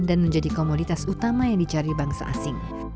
dan menjadi komoditas utama yang dicari bangsa asing